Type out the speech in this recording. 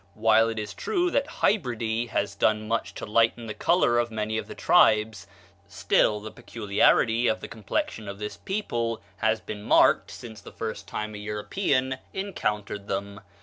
While it is true that hybridy has done much to lighten the color of many of the tribes, still the peculiarity of the complexion of this people has been marked since the first time a European encountered them.